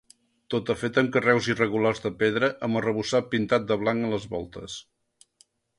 Tota feta amb carreus irregulars de pedra, amb arrebossat pintat de blanc a les voltes.